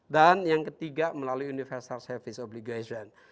dan yang ketiga melalui universal service obligation